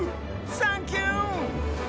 サンキュー！